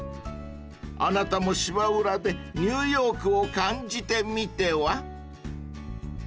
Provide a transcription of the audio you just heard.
［あなたも芝浦でニューヨークを感じてみては？］